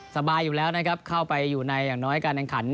สบายอยู่แล้วนะครับเข้าไปอยู่ในอย่างน้อยการแข่งขัน